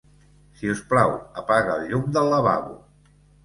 Si us plau, apaga el llum del lavabo.